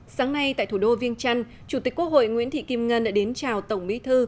sáng nay tại thủ đô viên trăn chủ tịch quốc hội nguyễn thị kim ngân đã đến chào tổng bí thư